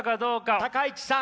高市さん